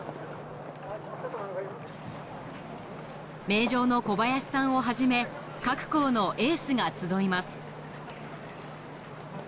名城の小林さんをはじめ各校のエースが集います